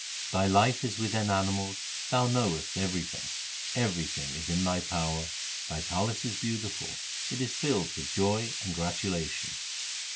Thy life is within animals ; Thou knowest everything ; Everything is in Thy power ; Thy palace is beautiful ; It is filled with joy and gratulation.